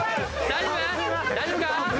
大丈夫か？